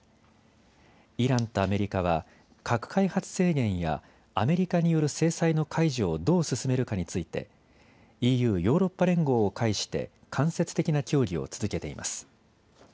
イランとアメリカは核開発制限やアメリカによる制裁の解除をどう進めるかについてＥＵ・ヨーロッパ連合を介して間接的な協議を続けています。